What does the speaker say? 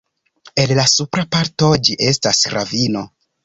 En la supra parto ĝi estas ravino.